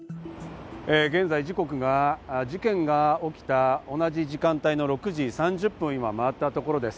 現在、時刻が事件があった同じ時間帯の６時３０分を今、回ったところです。